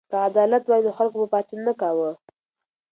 که عدالت وای نو خلکو به پاڅون نه کاوه.